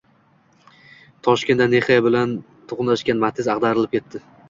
Toshkentda Nexia bilan to‘qnashgan Matiz ag‘darilib ketdi